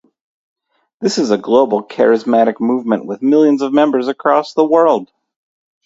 This is a global charismatic movement with millions of members across the world.